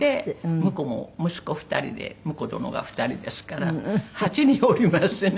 婿も息子２人で婿殿が２人ですから８人おりますね。